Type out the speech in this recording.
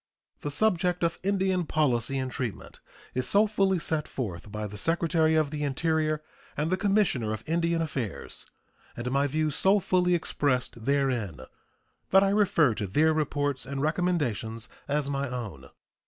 The subject of Indian policy and treatment is so fully set forth by the Secretary of the Interior and the Commissioner of Indian Affairs, and my views so fully expressed therein, that I refer to their reports and recommendations as my own.